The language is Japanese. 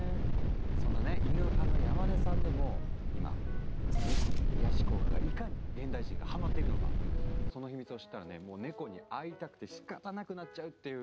そんなねイヌ派の山根さんでも今ネコの癒やし効果がいかに現代人がハマってるのかその秘密を知ったらねもうネコに会いたくてしかたなくなっちゃうっていう。